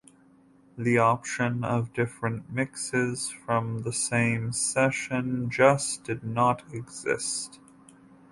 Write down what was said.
The option of different mixes from the same session just did not exist.